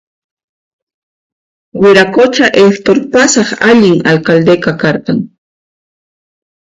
Wiraqucha Hector pasaq allin alcaldeqa karqan